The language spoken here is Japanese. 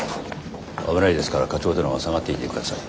危ないですから課長殿は下がっていて下さい。